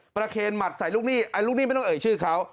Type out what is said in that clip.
ประเขณฑ์หมัดใส่ลูกหนี้ลูกหนี้ไม่ต้องเอ๋ยชื่อเขา